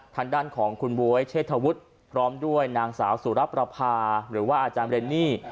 ทางด้านของคุณบ๊วยเชษฐวุฒิพร้อมด้วยนางสาวสุรประพาหรือว่าอาจารย์เรนนี่